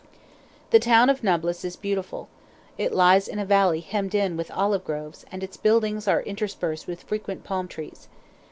The town of Nablus is beautiful; it lies in a valley hemmed in with olive groves, and its buildings are interspersed with frequent palm trees.